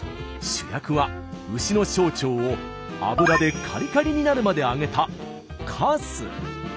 主役は牛の小腸を油でカリカリになるまで揚げた「かす」。